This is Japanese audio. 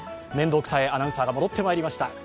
面倒くさいアナウンサーが戻ってまいりました。